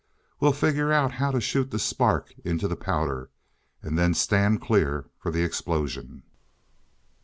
We'll figure out how to shoot the spark into the powder, and then stand clear for the explosion."